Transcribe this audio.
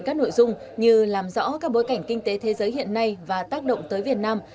các nội dung như làm rõ các bối cảnh kinh tế thế giới hiện nay và tác động tới việt nam